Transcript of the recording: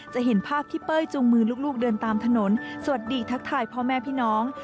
เห็นภาพที่เป้ยจุงมือลูกเดินตามถนนสวัสดีทักทายพ่อแม่พี่น้อง